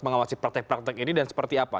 mengawasi praktek praktek ini dan seperti apa